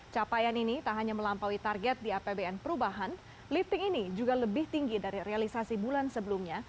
capaian ini tak hanya melampaui target di apbn perubahan lifting ini juga lebih tinggi dari realisasi bulan sebelumnya